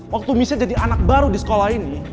waktu misi jadi anak baru di sekolah ini